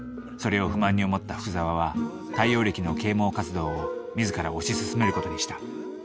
それを不満に思った福沢は太陽暦の啓もう活動を自ら推し進める事にした。